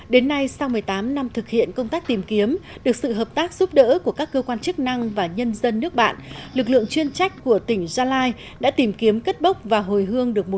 đến nay sau một mươi tám năm thực hiện công tác tìm kiếm được sự hợp tác giúp đỡ của các cơ quan chức năng và nhân dân nước bạn lực lượng chuyên trách của tỉnh gia lai đã tìm kiếm cất bốc và hồi hương được một